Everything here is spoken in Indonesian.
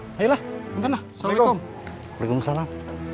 hai lah bener bener salam salam